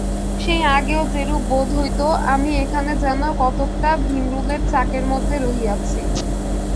সেই আগেও যেরূপ বোধ হইত, আমি এখানে যেন কতকটা ভীমরুলের চাকের মধ্যে রহিয়াছি।